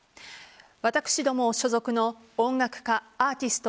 私ども所属の音楽家アーティスト